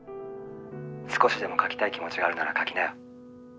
「少しでも描きたい気持ちがあるなら描きなよ」